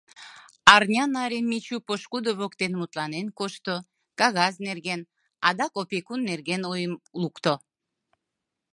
Арня наре Мичу пошкудо воктен мутланен кошто; кагаз нерген, адак опекун нерген ойым лукто.